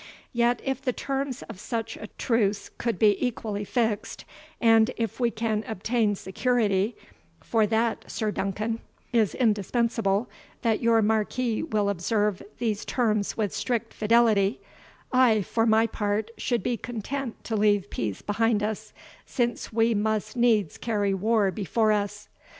Yet, if the terms of such a truce could be equally fixed, and if we can obtain security, for that, Sir Duncan, is indispensable, that your Marquis will observe these terms with strict fidelity, I, for my part, should be content to leave peace behind us, since we must needs carry war before us.